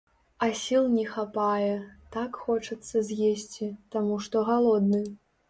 А сіл не хапае, так хочацца з'есці, таму што галодны.